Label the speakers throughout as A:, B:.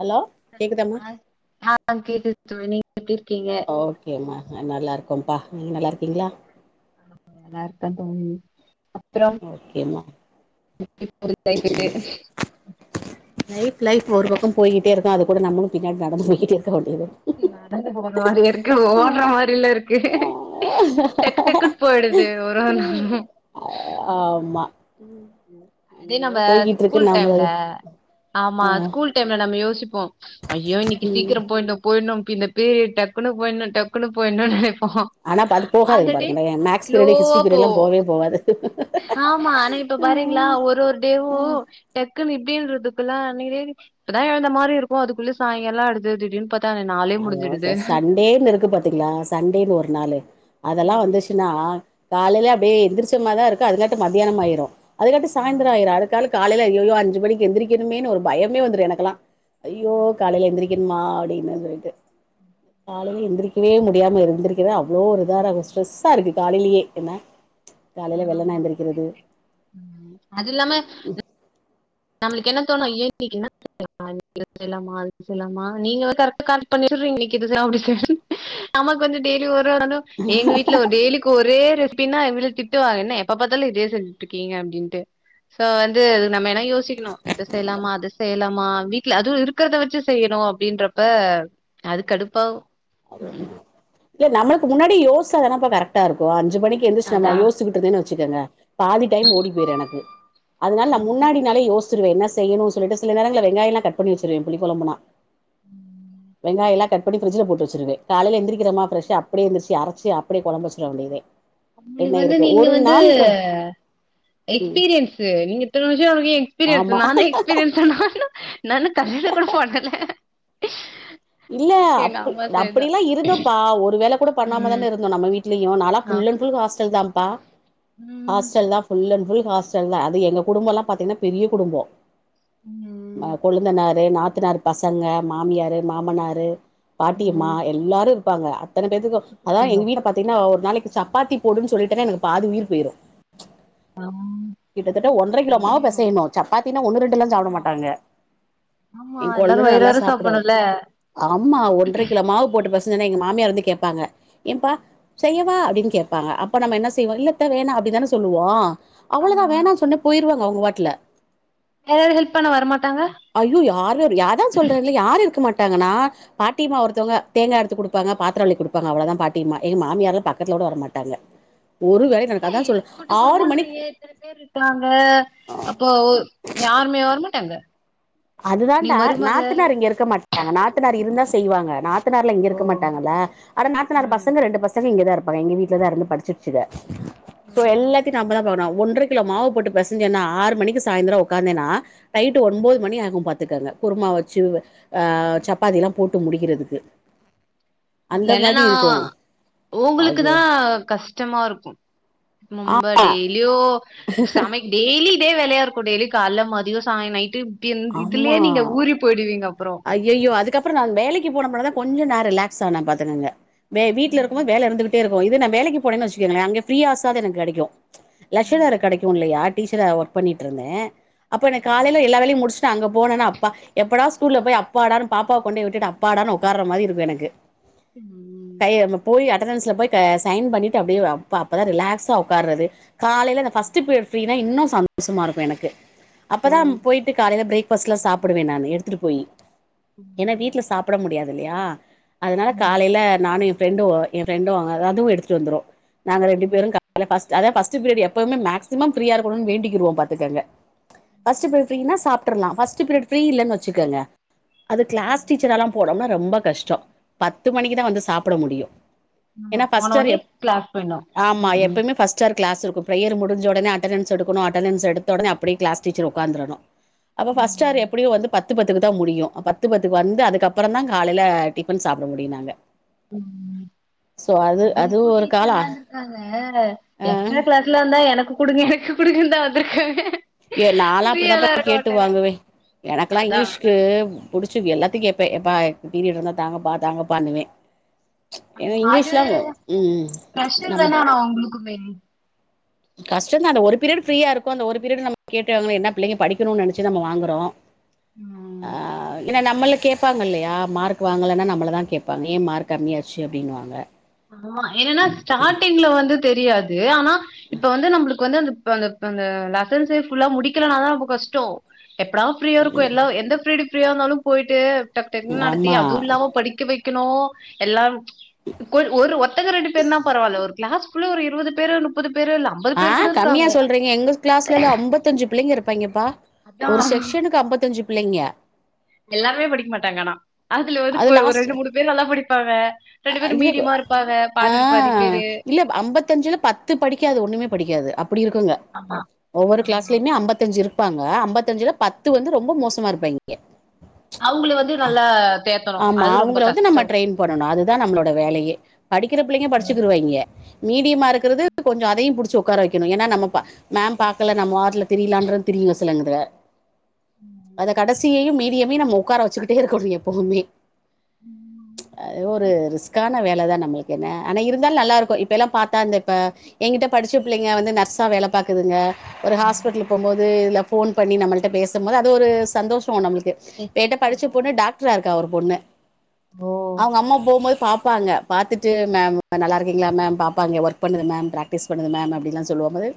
A: Hello? கேக்குதாமா
B: அ ஆ ஆ கேக்குது தோழி. நீங்க எப்டிர்க்கிங்க?
A: ஓகேம்மா நல்லா இருக்கோம்ப்பா நீங்க நல்லாருக்கீங்களா
B: நல்லா இருக்கே தோழி அப்றம்
A: ஓகேம்மா
B: [inaudible]
A: நைட் பிளைட் ஒரு பக்கோ போய்கிட்டே இருக்கு அது கூட நம்மளு பின்னாடி நடந்து போயிகிட்டே இருக்க வேண்டியதா
B: நடந்து போற மாரியா இருக்கு ஓடுற மாரில இருக்கு டக்கு டக்குன்னு படுது ஒரோலோ
A: ஆமா
B: அதே
A: எங்கேயோ
B: நம்ப
A: போய்கிட்டு இருக்கு
B: ஸ்கூல்
A: நாம
B: டைம்ல ஆமா
A: ஆ
B: ஸ்கூல் டைம்ல நம்ம யோசிப்போ ஐயோ இன்னக்கி
A: ம்
B: சீக்கிரோ போயுனு போயிடணு இந்த பீரியட் டக்குன்னு போயிடணு டக்குன்னு போயிடணு நெனைப்போ
A: ஆனா அது
B: அந்த
A: போகாதுங்க
B: டே
A: பாருங்களே மேக்ஸ் பீரியடு
B: ஸ்லோவா
A: ஹிஸ்ட்ரி பீரியட்லா
B: போவு
A: போவே போகாது
B: ஆமா ஆனா இப் பாரீங்களா
A: ம்
B: ஒரு ஒரு டேவு
A: ம்
B: டக்குன்னு இப்டின்றதுக்குல்ல அன்னக்கி தேதி இப்பதா எழுந்த மாரி இருக்கு அதுக்குள்ள சாயங்காலா ஆயிடுது திடீர்னு பாத்
A: அத ச சண்டேன்னு இருக்கு பாத்தீங்களா சண்டேன்னு ஒரு நாளு அதெல்லா
B: ம்
A: வந்துச்சுன்னா காலேல அப்டியே எந்திரிச்ச மாரிதா இருக்கு அதுங்காட்டு மத்தியானம் ஆயிரு அதுங்காட்டு சாயந்தரோ
B: ஆமா
A: ஆயிரு அதுக்கால காலேல அய்யயோ அஞ்சி மணி எந்திரிக்கனுமேன்னு ஒரு பயமே வந்துரு எனக்கெல்லா ஐயோ காலேல எந்திரிக் கணுமா அப்டின்னு சொல்லிட்டு காலேல எந்திரிக்கவே முடியாம எந்திரி கது அவ்வளோ ஒரு இதாதா
B: ம்
A: ஸ்ட்ரெஸ்ஸா இருக்கு காலேலயே என்ன காலேல வெள்ளன
B: ஆமா
A: எந்திரிக்கிறது
B: கரெக்ட் ம் அது இல்லாம நம்மளுக்கு என்ன தோணு ஐயோ இன்னிக்கி என்ன ஐயோ இன்னிக்கி இது செய்யலாமா அது செய்யலாமா நீங்க கரெக்ட் பண்ணி வச்சிர்றீங்க இன்னக்கி இதுதா அப்டி சொல்லிட்டு ஆமா கொஞ்சோ டெய்லி ஒரு ஒரு எங்க வீட்ல ஒரு டெய்லிக் கு ஒரே ரெசிபினா எங்க வீட்ல திட்டுவாங்க என்ன எப்ப பாத்தாலு இதே செஞ்சுட்டு இருக்கீங்க அப்டின்ட்டு சோ வந்து நம்ம என்ன யோசிக்கணு இத செய்யலாமா அத செய்யலாமா வீட் ல அதுவு இருக்கிறத வச்சு செய்யணு அப்டின்றப்ப அதுக்கடுப்பாகு
A: இல்ல நம்மளுக்கு முன்னாடி யோசிச்சா தானப்பா கரெக்டா இருக்கு அஞ்சி மணிக்கு எந்திச்ட்டு நம்ம
B: அதா
A: யோசி ச்சிகிட்டு இருந்தேன்னு வச்சுக்கங்க பாதி டைம் ஓடி போயிரு எனக்கு அதனால நா முன்னாடி நாளே யோசி சிருவே என்ன செய்யணு சொல்ட்டு சில நேரங்கள்ல வெங்காயல்லா கட் பண்ணி வச்சிருருவே புளிகொழம்புனா வெங்காயல்லா கட் பண்ணி ஃப்ரிட்ஜ்ல போட்டு வச் சிருவே காலேல எந்திரிக்கிறமா ஃப்ரெஷ்ஷா அப்டியே எந்திரிச்சி அரச்சி அப்டியே கொழம்பு வச்சிட வேண்டியதே
B: ஒங்களுக்கு
A: என்ன
B: வந்து
A: இருக்கு
B: நீங்க
A: ஒரு
B: வந்து
A: நாளுக்கு ம்
B: எக்ஸ்பீரியன்ஸ் நீங்க இத்தன வருசோ ஒங்களுக்கு எக்ஸ்பீரியன்ஸ்
A: ஆமா
B: நானு எக்ஸ்பீரியன்ஸ் ஆனா நா இன்னு கல்யாணோ கூட பண்ணல
A: இல்ல
B: எங்க
A: அப்
B: அம்மா செய்தா
A: அப்டிலா இருந்தோம்ப்பா ஒரு வேல கூட பண்ணாம
B: ம்
A: தான இருந்தோ நம்ம வீட்லயு நல்லா
B: ஆமா
A: ஃபுல் அண்ட் ஃபுல் ஹாஸ்டல் தாப்பா
B: ம்
A: ஹாஸ்டல் தா ஃபுல் அண்ட் ஃபுல் ஹாஸ்டல் தா அது எங்க குடும்பல்லா பாத்தீங்கன்னா பெரிய குடும்போ
B: ம்.
A: கொழுந்தனாரு நாத்தனாரு பசங்க மாமியாரு மாமனாரு பாட்டியம்மா
B: ம்.
A: எல்லாரு இருப்பாங்க அத்தன பேத்துக்கு
B: கூட்டு
A: அதா எங்க
B: குடும்பம்.
A: வீட பாத்தீங்கன்னா ஒரு நாளைக்கி சப்பாத்தி போடுன்னு சொல்லிட்டன்னா எனக்கு பாதி உயிர் போயிரு
B: அம்
A: கிட்டத்தட்ட ஒன்ற கிலோமாவு பெசயணு சப்பாத்தினா ஒன்னு ரெண்டுல்லா சாப்ட
B: ஆமா.
A: மாட்டாங்க
B: ஆமா.
A: ஏ
B: எல்லாரும்
A: கொழுந்தேல்லா
B: வயிறு
A: நல்லா
B: வயிற
A: சாப்டுவாரு
B: சாப்பிடணும்ல.
A: ஆம்மா ஒன்ரை கிலோ மாவு போட்டு பெச ஜென்ன எங்க மாமியார் வந்து கேட்பாங்க ஏம்பா செய்யவா அப்டின்னு கேப்பாங்க அப்ப நம்ம என்ன செய்வோ இல்லத்த வேணா அப்டித்தான சொல்லுவோ
B: ஆமா.
A: அவ்வளதா வேணான்னு சொன்ன போயிருவாங்க அவங்க வாட்ல
B: யாராது ஹெல்ப் பண்ண வர மாட்டாங்க
A: ஐயோ யாரு வர அதா சொல்றே இல்ல யாரு இருக்க மாட்டாங்கன்னா நா பாட்டியம்மா ஒருத்தவங்க தேங்கா எடுத்து குடுப்பாங்க பாத்தரோ வெளக்கி குடுப்பாங்க அவ்ளதா பாட்டியம்மா ஏ மாமியாரல்ல பக்கத்துலக் கூட வர மாட்டாங்க ஒரு வேலயு நடக்
B: ஏய் கூட்டு குடுபன்றீங்க இத்தன பேரு இருக்காங்க அப்போ ஒ யாருமேவ வர மாட்டாங்க
A: அது தாண்டா நாத்தனார் இங்க இருக்க மாட்டாங்க நாத்தனாரு இருந்தா செய்வாங்க நா த்தனார்லா இங்க இருக்க மாட்டாங்கல்ல அதா நாத்தநாரு
B: ம்.
A: பசங்க ரெண்டு ப சங்க இங்கதா இருப்பாங்க எங்க வீட்ல தா இருந்து படிச்சிட்சுக சோ எல்லாத்யு நம்பதா பாக்ணு ஒன்றக் கிலோ மாவு போட்டு பெசஞ்சன ஆறு மணிக்கு சாய்ந்திரோ உக்காந்தேனா நைட்டு ஒன்போது மணி ஆ வு பாத்துக்கங்க குருமா வச்சு அ சப்பாத்தில்லா போட்டு முடிக்கிறதுக்கு அந்த மாதி
B: இத்லென்னன்னா
A: இருக்கு
B: உங்களுக்கு தா
A: ஐயோ
B: கஷ் டமாருக்கு நம்ப டெய்லியு சமை டெய்லி இதே வேலயாருக்கு டெய்லி கால்ல மதியோ சாய நைட்டு இப்டி இந் இதுலயே நீங்க ஊரி போய்டுவீங்க அப்புறோ
A: அய்யய்யோ அதுக்கப்பறோ நா வேலைக்கு போனப்பர தா கொஞ்சோ நா ரிலாக்ஸ் ஆன பாத்துக்கங்க வே வீட்ல இருக்குமாபோத் வேல இருந்துகிட்டே இருக்கு இதே நா வேலைக்கு போனேன் வச்சுக்கேங்கல அங்க ஃபிரியா ஆசாது எனக் கெடைக்கு லஷ்ஷர் வேல
B: ஆமா.
A: கெடைக்கு இல்லையா டீச்சரா ஒர்க் பண்ணிட்டுருந்த அப்ப ந காலில எல்லா வேலையு முடிச்சு அங்க போனனா அப்பா எப்படா ஸ்கூல்ல போய் அப்பாடானு பாப்பாவா கொண்டொய் விட்டுட்டு அப்பாடானு உக்கார மாரி இருக்கு எனக்கு
B: ம்
A: கை அப்ன போயி அட்டணன்ஸ்ல போயி கை சைன் பண்ணிட்டு அப்டியே அப்பா அப்பதா ரிலாக்ஸா உக்காறது காலைல இந்த ஃபஸ்ட்டு பீரியட் ஃப்ரீனா இன்னு சந்தோஷமா இருக்கு எனக்கு அப்போ தா போய்ட்டு காலைல ப்ரேக் பஸ்லா சாப்பிடுவ நானு எடுத்துட்டு போயி
B: ம்.
A: ஏன்னா வீட்ல சாப்பிட முடியாது இல்லையா அதனால காலைல நானு எ ஃப்ரெண்டு எ ஃப்ரெண்டு அ அதுவு எடுத்துட்டு வந்துரு நாங்க ரெண்டு பேரு அ ஃபஸ்ட்டு அத ஃபாஸ்ட்டு பீரியடு எப்பவுமே மேக்சிமம் ஃபீரியா இருக்கணுன் வேண்டிக்கிருவோ பாத்துக்கங்க ஃபஸ்ட்டு பீரிட் ஃப்ரீனா சாப்டர்ல ஃபஸ்ட்டு பீரியட் ஃப்ரீ இல்லனு வெச்சுக்கங்க அது க்ளாஸ் டீச்சராலா போனோம்னா ரொம்ப கஷ்டோ பத்து மணிக்குதா வந்து சாப்பிட முடியு
B: ஆமா
A: ஏன்னா பஸ்ட்டாரு
B: போனோனே
A: எப்
B: கிளாஸ் போயிட்னு
A: ஆமா
B: ம் ம்
A: எப்பய்மே ஃபஸ் ஸ்டாரு க்ளாஸ் இருக்கு ப்ரையரு முடிஞ்ச ஒடன அட்டனன்ஸ் எடுக்கணு அட்டனன்ஸ் எடுத்த ஒடனே அப்படே க்ளாஸ் டீச்சர் ஒக்காந்தறனு அப்ப ஃபஸ்ட்டாரு எப்படியோ வந்து பத்து பத்துக்கு தா முடியு அ பத்து பத்துக்கு வந்து அதுக்கப்புறந்தா காலைல டிஃபன் சாப்பட முடியு நாங்க
B: ம்
A: சோ அது அது
B: [unintelligible]
A: ஒரு
B: டீச்சர்லா
A: காலம்
B: இருக்காங்க
A: ஆ
B: எக்ஸ்டா க்ளாஸ் லா இந்தா எனக்கு குடுங்க எனக்கு குடுங்கன் தா வந்திருக்காங்க
A: ஏ நாலா அப்படித்தாம்பா
B: ஃப்ரீயாலா இருக்க
A: கேட்டு
B: மாட்டாங்க
A: வாாங்குவே எனக்கலா
B: அதா
A: இங்க்லீஷ்க்கு புடிச்சு எல்லாத்தியு கேப்பே எப்பா பீரியட் இருந்தா தாங்கப்பா தாங்கப்பானுவே ஏன்னா இங்க்லீஷ்லா ம் நம்ம
B: அவ்ங்குளுக்குமே
A: கஷ்டந்தா அந்த ஒரு பீரியடு ஃப்ரீயா இருக்கு அந்த ஒரு பீரியடு நம் கேட்டு அதுவு என்ன பிள்ளைங்க படிக்கணுன் நெனச்சி நம்ம வாங்குறோ
B: ம்
A: ஆ அ ஏன்ன நம்மள கேப்பாங்க இல்லையா மார்க் வாங்கலன்னா நம்மள தா கேப்பாங்க ஏ மார்க் கம்மியாச்சு அப்டின்னுவாங்க
B: ஆமா என்னனா ஸ்டாடிங்ல வந்து தெரியாது ஆனா இப்ப வந்து நம்பளுக்கு வந்து அந்த ப அந்த இப்ப அந்த லெசன்சே ஃபுல்லா முடிக்கலனா தா ரொம்ப கஷ்டோ எப்படா ப்ரீயா இருக்கு எல்லா எந்த ப்ரீடு ஃப்ரியா இருந்தாலு போய்ட்டு டக் டக்னு நடத்தி
A: ஆமா
B: அது இல்லாம படிக்க வைக்கணு எல்லா கொ ஒரு ஒர்த்தங்க ரெண்டு பேருனா பரவால ஒரு க்ளாஸ் குள்ள ஒரு இருவது பேரு நுப்பது பேரு எல்லாம்
A: ஆ கம்மியா சொல்றீங்க எங்கஸ் க்ளாஸ்லெல்லா அம்பத்தஞ்சு பிள்ளைங்க இருப்பாய்ங்கப்பா ஒரு
B: அதான்
A: செக்க்ஷனுக்கு அம்பத்தஞ்சு பிள்ளைங்க
B: எல்லார்மே படிக் மாட்டாங் ஆனா அதுல வந்து
A: அது
B: கொ ஒரு
A: லாஸ்ட்
B: ரெண்டு மூணு பேர் நல்லா படிப்பாங்க ரெண்டு பேரு
A: இல்ல
B: மீடியமா இருப்பாங்க
A: ஆ
B: பாதிக்கு பாதி பேரு
A: இல்ல அம்பத்தஞ்சுல பத்து படிக்காது ஒண்ணுமே படிக்காது அப்பிடி இருக்குங்க
B: ஆமா
A: ஒவ்வொரு
B: ஆமா
A: க்ளாஸ்லையுமே அம்பத்தஞ்சு இருபாங்க அம்பத்தஞ்சுல பத்து வந்து ரொம்ப மோசமா இருப்பாய்ங்க
B: அவுங்கள வந்து நல்லா தேத்தணும்
A: ஆமா
B: அது ரொம்ப
A: அவுங்கள வந்து நம்ம
B: கஷ்டம்
A: ட்ரெயின் பண்ணணு அதுதா நம்ளோட வேலையே படிக்கிற பிள்ளைங்க படிச்சுக்கிருவாங்கே மீடியமா இருக்கிறது கொஞ்சம் அதயும் புடிச்சு உட்கார வைக்கணும் ஏன்னா நம்மப்பா மேம் பாக்கல நம்ம வாட்ல திரில்லான்றத் திரியுங்க சிலன் இதுக அந்த கடைசியையும் மீடியமே நம்ம உட்கார வச்சுக்கிட்டே இருக்கணும் எப்பவுமே அது ஒரு ரிஸ்க்கான வேலை தான் நம்பளுக்கு என்ன ஆனா இருந்தாலும் நல்லாருக்கும் இப்பெல்லாம் பாத்தா இந்த இப்ப என்கிட்ட படிச்ச பிள்ளைங்க வந்து நர்ஸா வேல பாக்குதுங்க ஒரு ஹாஸ்பிட்லு போகும்போது இல்ல ஃபோன் பண்ணி நம்மள்ட்ட பேசும்போது அது ஒரு சந்தோஷம் நம்ளுக்கு என்ட
B: ரெஸ்பெக்ட்
A: படிச்ச
B: இருக்கும்
A: பொண்ணு டாக்ட்ரா இருக்கா ஒரு பொண்ணு
B: ஓ
A: அவுங்க அம்மா போவுபோது பாப்பாங்க பாத்துட்டு மேம் நல்லாருக்கீங்களா மேம் பாப்பாங்க ஒர்க் பண்ணுற மேம் மிஸ் பன்னுவ மேம் அப்டின்லாம் சொல்லுவாங்க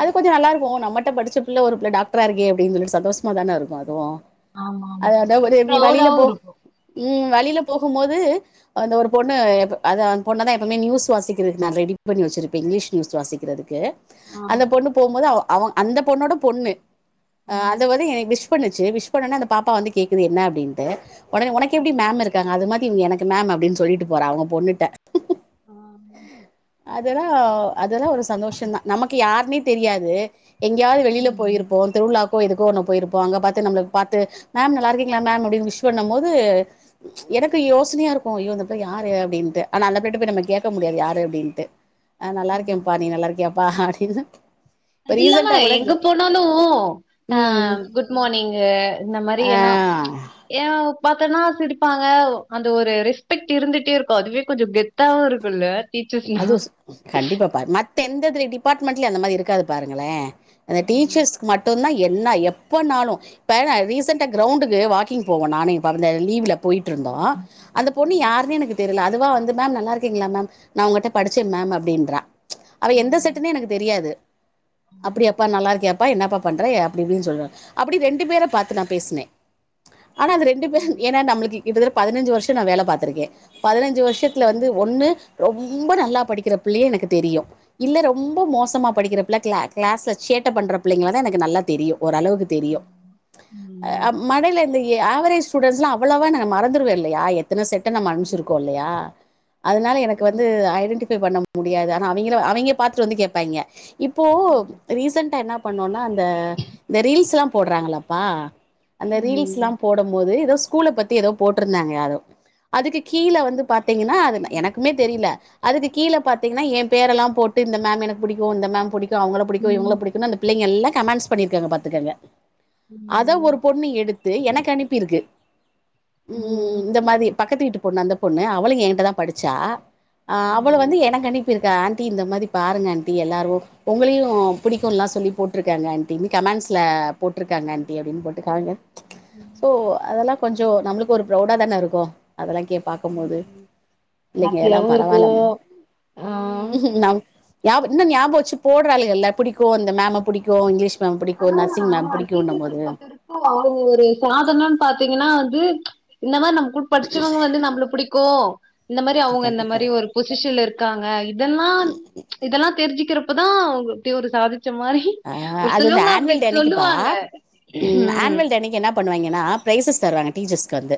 A: அது கொஞ்சோ நல்லா இருக்கும் நம்மட்ட படிச்ச பிள்ள ஒரு பிள்ள டாக்டரா இருக்கே அப்டின் சொல்லிடு சந்தோஷமா தான இருக்கு அதுவும்
B: ஆமா
A: அதா
B: ஆமா
A: அது வந்து [unintelligible] வளியில போ
B: ப்ரௌடாவும் இருக்கும்
A: ம் வளியில போகும் போது அந்த ஒரு பொண்ணு எப் அ அந்த பொண்ண தா எப்பமே நியூஸ் வாசிக்கிது நா ரெடி பண்ணி வச்சிருப்பே இங்லீஷ் நியூஸ் வாசிக்றதுக்கு
B: ஆ,
A: அந்த பொண்ணு போம்போது அவ அந்த பொண்ணோட பொண்ணு்
B: ஆ,
A: அ அத வந்து எனக் விஷ் பண்ணுச்சு விஷ் பண்ணன்னொ அந்த பாப்பா வந்து கேக்குது என்ன அப்டின்ட்டு ஒடனே உனக்கு
B: ஆ,
A: எப்படி மேம் இருக்காங்க அது மாதி இவுங்க எனக் கு மேம் அப்டின்னு சொல்லிட்டு போறா அவுங்க பொண்ணுட்ட
B: ஆ
A: அதெல்லா அதெல்லா ஒரு சந்தோஷொ தான் நமக்கு யாருன்னே தெரியாது எங்கேயாது வெளியில
B: ம்,
A: பெயிருப்போம் திருவிளாவுக்கோ எதுக்கு ஒன்னு போயிருப்போம் அங்க பாத்து நம்மள பாத்து மேம் நல்லாருக்கீங்களா மேம் அப்டின்னு விஷ் பண்ணும் போ து எனக்கு யோசனியா இருக்கும் ஐயோ இந்த புள்ள யாரு அப்டின்ட்டு ஆனா அந்த பிள்ளட்ட போயி நம்ம கேட்க முடியாது யாரு அப்டின்ட்டு ஆ நல்லா
B: ம்.
A: இருக்கேன்ப்பா நீ நல்லா இருக்கியாப்பா அப்டினு
B: அது இல்லாம எங்க போனாலு அ
A: ம்
B: குட் மான்னிங்கு இந்த மாரி எல்லா
A: ஆ
B: ஏ பாத்தன்னா சிரிப்பாங்க அந்த ஒரு ரெஸ்பெக்ட் இருந்துட்டே ருக்கும் அதுவே கொஞ்சம் கெத்தாவும் இருக்கும்ல்ல
A: அதுவு ச கண்டிப்பாப்பா மத் த்த எந்ததுல டிபாட்மெண்ட்ல அந்த மாரி இருக்காது பாருங்களே அந்த டீச்சர்ஸுக்கு மட்டுந்தா என்னா எப் எப்பனாலு பேன ரீசெண்டா கிரௌண்டுக்கு வாக்கிங் போவு நானு ஏ பரந்தயாரு லீவ்ல போயிட்டு இருந்தோம் அந்த பொண்ணு யாருன்னே எனக்கு தெரில அதுவா வந்து மேம் நல்லா இருக்கீங்களா மேம் நா உங்கட்ட படிச்சேங் மேம் அப்டின்றா அவ
B: ம்
A: எந்த
B: ம்
A: செட்டுன்னு எனக்கு தெரியாது அப்டியாப்பா நல்லா இருக்கியாப்பா என்னப்பா பண்ற அப்டி இப்டினு சொல்வ அப்டி ரெண்டு பேர பாத்து நா பேசுனே ஆனா அந்த ரெண்டு பேரும் ஏன்னா நம்மளுக்கு கிட்டத்தட்ட பதினஞ்சு வருஷோ நா வேல பாத்திருக்கே பதின ஞ்சு வருஷத்துல வந்து
B: ம்
A: ஒண்ணு ரொம்ப நல்லா படிக்கிற பிள்ளைய எனக்கு தெரியு இல்ல ரொம்ப மோசமா படிக்கிற பிள்ள க்ளா க்ளாஸ்ல சேட்ட பண்ற பிள்ளைங்கள தா எனக்கு நல்லா தெரியு ஓரளவுக்கு தெரியு
B: ம்
A: அ மடையில இந்தய ஆவரேஜ் ஸ்டூடன்ஸ்லா அவ்வளவா எனக்கு மறந்துருவே இல்லயா எத்தன செட்ட நம்ம அனுப்ச்சிருக்கோ இல்லயா அதனால என க்கு வந்து
B: ஆமா
A: ஐடென்டிஃபை பண்ண முடியாது ஆனா அவைங்கள அவைங்க பாத்துட்டு வந்து கேப்பாய்ங்க இப்போ
B: ம்
A: ரீசென்டா என்ன பண்ணோனா அந்த இந்த ரீல்ஸ் எல்லா போடுறாங்களப்பா அந்த ரீல்ஸ் எல்லா
B: ம் ம்
A: போடம் போது ஏதோ ஸ்கூல பத்தி ஏதோ போட்ருந்தாங்க யாரோ அதுக்கு கீழ வந்து பாத்தீங்கன்னா அதுன எனக் கீழ அதுக்கு கீழ பாத்தீங்கன்னா ஏன் பேரெல்லா போட்டு இந்த மேம் எனக்கு பிடிக்கும் இந்த மேம் புடிக்கும் அவங்கள புடிக்கும் இவங்கள
B: ம்
A: புடிக்குனு அந்த பிள்ளைங்க எல்லா கமெண்ட்ஸ் பண்ணிருக்காங்க பாத்துக்கங்க
B: ம்
A: அத ஒரு பொண்ணு எடுத்து எனக்கு அனுப்பிருக்கு ம் இந்த மாதி பக்கத்து வீட்டு பொண்ணு அந்த பொண்ணு அவளு ஏன்கிட்டதா படிச்சா ஆ அவள வந்து
B: ம்
A: எனக்கனிப்பிருக்கா ஆன்ட்டி இந்த மாரி பாருங்க ஆன்ட்டி எல்லாரு உங்களையு புடிக்குலா சொல்லி போட்ருக்காங்க ஆன்ட்டினு கமண்ட்ஸ்ல போட்ருக்காங்க ஆன்ட்டி அப்டின்னு போட்டுக்காமிக்கா
B: ம்
A: சோ அதெல்லா கொஞ்சோ நம்மளுக்கு ஒரு ப்ரௌடா தான இருக்கூ அதெல்லா கே பாக்கும் போது
B: ம்
A: பிள்ளைங்க எல்லா
B: ஹாப்பியாவு இருக்கு
A: பரவாலம்
B: ஆ
A: ம் நம் ஞாபு இன்னு ஞாபு வச்சு போடுறாளுகல்ல புடிக்கு இந்த மேம புடிக்கு இங்க்லீஷ் மேம் பிடிக்கு நர்சிங் மேம் பிடிக்குண்ண மோது
B: போ அவுங்க ஒரு சாதன பாத்தீங்கனா வந்து இந்த மாரி நம்மு கூட் படிச்சவங்க வந்து நம்ள புடி கோ இந்த மாரி அவுங்க இந்த
A: கண்டிப்பா
B: மாரி ஒரு பொசிஷன்ல இருக்காங்க இதெல்லா இதெல்லா தெரிஞ்சுக்கிறப்ப தா இப்டி ஒரு சாதிச்ச மாரி
A: ஆ
B: ஒரு
A: அது வந்து
B: சிலவங்க அப்டி
A: ஆன்வல் டே அன்னைக்கி பா
B: சொல்லுவாங்க
A: ம் ஆன்வல் டே அன்னைக்கு என்ன பண்ணுவாய்ங்கனா ப்ரைசஸ் தருவாங்க டீச்ஜர்ஸ்கு வந்து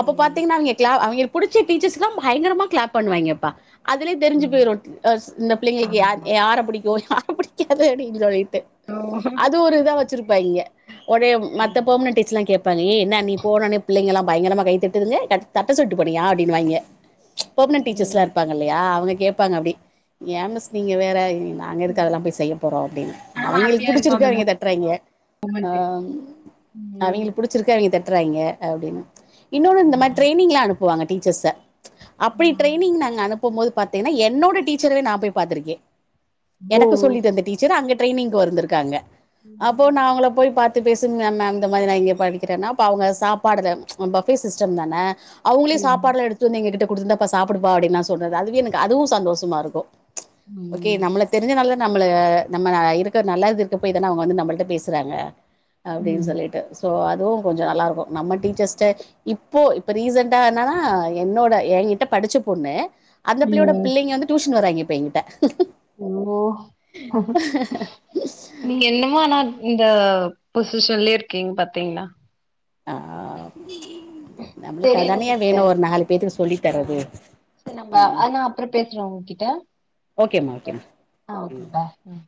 A: அப்போ பாத்தீங்ன்னா அவீய்ங்க க்ளா அவீய்ங்க புடிச்ச டீச்சர்ஸ்குலா பயங்கரமா க்ளாப் பண்ணுவாய்ங்க பா அதுலே
B: ஆ
A: தெரிஞ்சு போய்ரு அஸ் இந்த பிள்ளைங்குளுக்கு
B: ஆமா
A: யா
B: ஆமா
A: யார பிடிக்கு யார புடிக்காது அப்டீன் சொல்லிட்டு அது ஒரு இதா வச்சிருப்பாய்ங்க ஒரே மத்த
B: ம்
A: பேர்ம்ன டீச்லா கேப் பாங்க ஏ என்ன நீ போனோனே பிள்ளைங்கெலா பயங்கரமா கை தட்டுதுங்க கட் தட்ட சொல்ட்டு போனியா அப்டினுவாய்ங்க பெர்ம்னன் டீச்சர்ஸ்லா
B: ம்
A: இருப்பாங்க இல்லயா அவுங்க கேப்பாங்க அப்டி ஏன் மிஸ் நீங்க வேற நாங்க எதுக்கு அதெல்லா போய் செய்ய அப்டின்
B: ஆனா
A: அவைங்களுக்
B: ஹாப்பியா இருக்கு
A: புடிச்சிருக்கு
B: அந்த
A: அவீய்ங்க தட்டுறாய்ங்க
B: மூமெண்ட்டு
A: அம்
B: ம்
A: அவீங்கிளுக் புடிச்சிருக்கு அவீய்ங்க தட்டுறாய்ங்க அப்டின்னு இன்னொன்னு இந்த
B: ம்.
A: மாரி டிரைனிங்லா அனுப்புவாங்க டீச்சர்ஸ்ஸ அப்டி ட்ரைனிங் நாங்க அனுப்பமோது பாத்தீங்கனா என்னோட டீச்சரவே நா போய் பாத்திருக்கே
B: ஓ
A: எனக்கு சொல்லி தந்த டீச்சர் அங்க ட்ரைனிங்கு வருந்துருக்காங்க அப்போ
B: ம்
A: நா அவுங்கள போய் பா த்து பேசுன மேம் இந்த மாரி நா இங்க படிக்கிறேனா அப்ப அவுங்க சாப்பாடுல ம் அ பஃபே சிஸ்டம் தான அவுங்குளே
B: ம்
A: சாப்பாடுலா எடுத்துட் வந்து எங்க கிட்ட குடுத்து இந்தாப்பா சாப்புடுப்பா அப்டினா சொன்னது அதுவே எனக்கு அதுவு சந்தோஷமா இருக்கு ஓகே
B: ம்
A: நம்ள தெரிஞ்சனால்தா நம்மள நம்ம இருக்க நல்லாது இருக்க போய் தான அவுங்க வந்து நம்மள்ட்ட பேசுறாங்க அப்டின்
B: ம்
A: சொல்லிட்டு சோ அதுவு கொஞ்ச நல்லா இருக்கு நம்ம டீச்சர்ஸ்ட்ட இப்போ இப்ப ரீசன்டா என்னனா என்னோட என்கிட்ட படிச்ச பொண்ணு அந்த பிள்ளையோட
B: ம்.
A: பிள்ளைங்க வந்து டியூஷன் வராய்ங்க இப்ப ஏங்கிட்ட
B: ஓ நீங்க என்னமு ஆனா இந்த பொசிஷன்லே இருக்கீங் பாத்தீங்ளா
A: ஆ நம்ளுக்
B: செரிங்க
A: அதானையா
B: சிஸ்டர்
A: வேணு ஒரு நாலு பேத்துக்கு சொல்லி
B: ஆ
A: தரது
B: சரி நம்ப ஆ நா அப்ற பேஸ்றே உங்கிட்ட
A: ஓகேம்மா ஓகேம்மா
B: ஆ ஓகே பா ம்